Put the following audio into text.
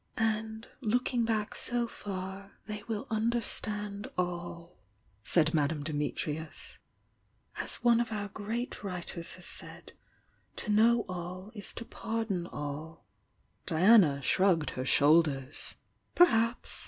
"And, looking back so far, they will understand all," said Madame Dimitrius. "As one of our great writers has said: 'To know all is to pardon all.' " Diana shrugged her shoulders. "Perhaps!"